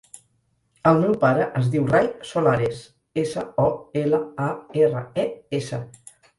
El meu pare es diu Rai Solares: essa, o, ela, a, erra, e, essa.